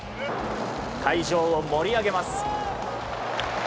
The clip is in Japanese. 会場を盛り上げます。